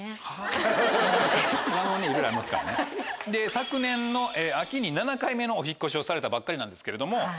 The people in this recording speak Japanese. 昨年の秋に７回目のお引っ越しをされたばっかりなんですけれども。